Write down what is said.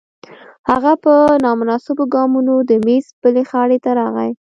هغه په نامناسبو ګامونو د میز بلې غاړې ته راغی